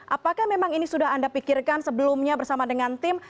apakah memang ini sudah anda pikirkan sebelumnya bersama dengan tim